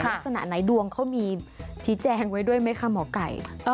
ลักษณะไหนดวงเขามีชี้แจงไว้ด้วยไหมคะหมอไก่